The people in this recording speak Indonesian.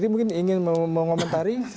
mungkin ingin mengomentari